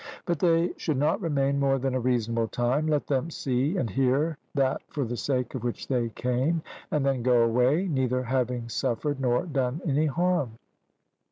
But they should not remain more than a reasonable time; let them see and hear that for the sake of which they came, and then go away, neither having suffered nor done any harm.